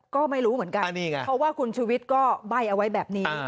ก็ไม่รู้เหมือนกันเพราะว่าคุณชุวิตก็ใบ้เอาไว้แบบนี้